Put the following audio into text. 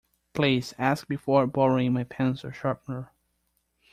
Please ask before borrowing my pencil sharpener.